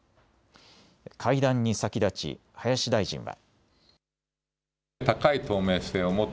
会談に先立ち林大臣は。